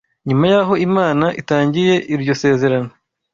Nyuma y’aho Imana itangiye iryo sezerano